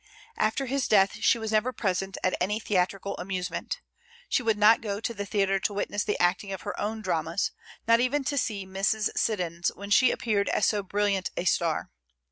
After his death she never was present at any theatrical amusement. She would not go to the theatre to witness the acting of her own dramas; not even to see Mrs. Siddons, when she appeared as so brilliant a star.